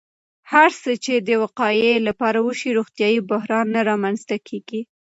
هره هڅه چې د وقایې لپاره وشي، روغتیایي بحران نه رامنځته کېږي.